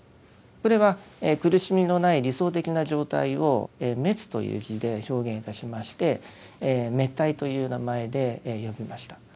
これは苦しみのない理想的な状態を「滅」という字で表現いたしまして滅諦という名前で呼びました。